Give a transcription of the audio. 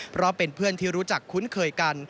เพราะเป็นเพื่อนที่รู้จักคุ้นเคยกัน